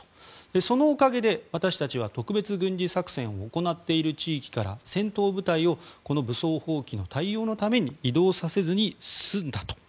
そのおかげで私たちは特別軍事作戦を行っている地域から戦闘部隊を武装蜂起の対応のために移動させずに済んだと。